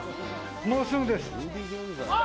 もうすぐです。